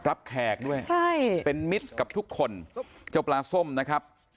แขกด้วยใช่เป็นมิตรกับทุกคนเจ้าปลาส้มนะครับ